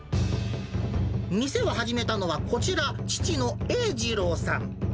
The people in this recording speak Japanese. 店を始めたのはこちら、父の栄二郎さん。